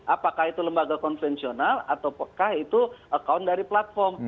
apakah itu lembaga konvensional atau apakah itu akun dari platform